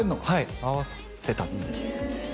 はい会わせたんです